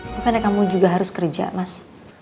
makanya kamu juga harus kerja mas